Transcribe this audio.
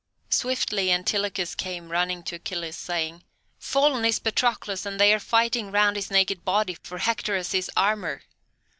Swiftly Antilochus came running to Achilles, saying: "Fallen is Patroclus, and they are fighting round his naked body, for Hector has his armour."